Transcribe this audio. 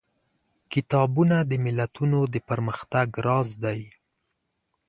کتابونه د ملتونو د پرمختګ راز دي.